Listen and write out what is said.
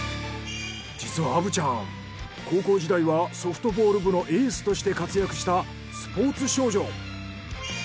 実は虻ちゃん高校時代はソフトボール部のエースとして活躍したスポーツ少女。